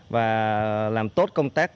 và làm tốt công tác